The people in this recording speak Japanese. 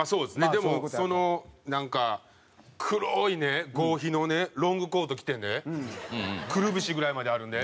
でもなんか黒いね合皮のねロングコート着てねくるぶしぐらいまであるね。